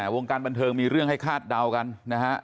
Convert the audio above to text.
วงการบันเทิงมีเรื่องให้คาดเดากันนะฮะ